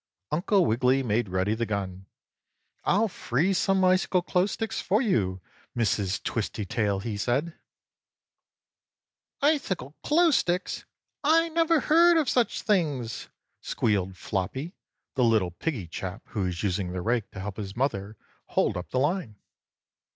Uncle Wiggily made ready the gun. "I'll freeze some icicle clothes sticks for you, Mrs. Twistytail," he said. 7. "Icicle clothes sticks! I never heard of such things!" squealed Floppy, the little piggie chap who was using the rake to help his mother hold up the line.